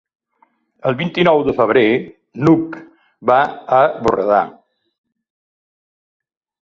El vint-i-nou de febrer n'Hug va a Borredà.